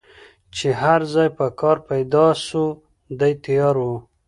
چي هر ځای به کار پیدا سو دی تیار وو